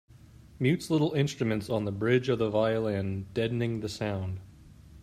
Mutes little instruments on the bridge of the violin, deadening the sound.